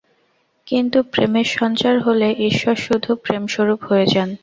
কিন্তু প্রেমের সঞ্চার হলে ঈশ্বর শুধু প্রেমস্বরূপ হয়ে যান।